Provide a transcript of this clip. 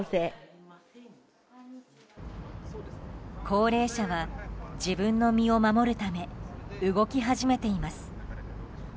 高齢者は自分の身を守るため動き始めています。